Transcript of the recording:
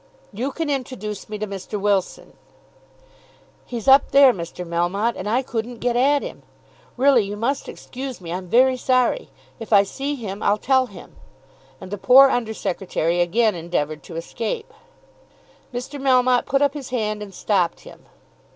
"You can introduce me to Mr. Wilson." "He's up there, Mr. Melmotte; and I couldn't get at him. Really you must excuse me. I'm very sorry. If I see him I'll tell him." And the poor under secretary again endeavoured to escape. Mr. Melmotte put up his hand and stopped him.